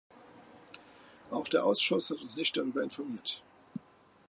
Auch der Ausschuss hat uns nicht darüber informiert.